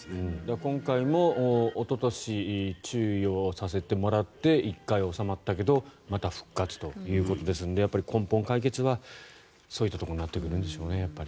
今回もおととし、注意をさせてもらって１回収まったけれどまた復活ということですので根本解決はそういったところになってくるんでしょうね。